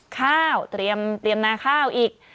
ข้าวเตรียมนาข้าวอีก